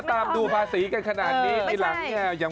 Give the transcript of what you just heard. รถยอดภาษีละครับเรา